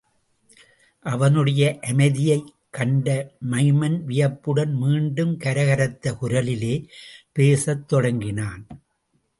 அவனுடைய அமைதியைக் கண்ட மைமன் வியப்புடன் மீண்டும் கரகரத்த குரலிலே பேசத் தொடங்கினான்.